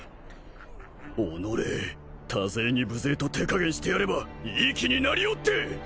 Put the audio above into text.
おのれ多勢に無勢と手加減してやればいい気になりおって！